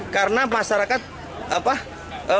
karena masyarakat parkir